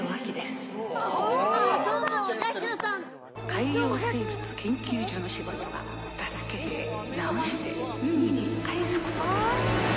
「海洋生物研究所の仕事は助けて治して海にかえすことです」